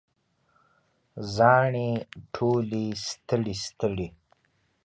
زاڼې ټولې ستړي، ستړي